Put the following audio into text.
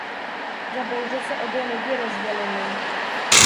Za bouře se obě lodi rozdělily.